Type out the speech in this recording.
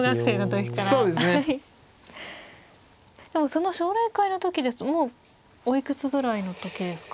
その奨励会の時ですともうおいくつぐらいの時ですか。